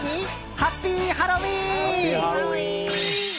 ハッピーハロウィーン！